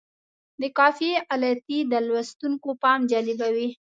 د قافیې غلطي د لوستونکي پام جلبوي.